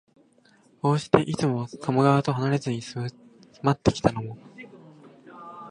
こうして、いつも加茂川とはなれずに住まってきたのも、